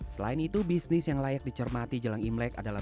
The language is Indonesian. selain itu bisnis yang layak dicermati jelang imlek adalah